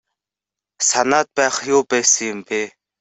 Санаад байх юу байсан юм бэ.